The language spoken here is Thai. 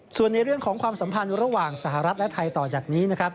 ส่วนในเรื่องของความสัมพันธ์ระหว่างสหรัฐและไทยต่อจากนี้นะครับ